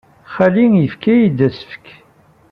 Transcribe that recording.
Xali yefka-iyi-d asefk.